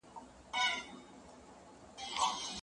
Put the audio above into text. شاګرد د ماخذونو لړۍ جوړوله.